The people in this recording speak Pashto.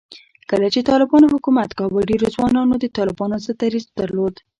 کله چې طالبانو حکومت کاوه، ډېرو ځوانانو د طالبانو ضد دریځ درلود